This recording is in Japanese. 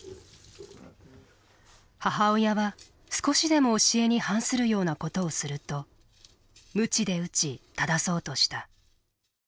母親は少しでも教えに反するようなことをするとむちで打ち正そうとした。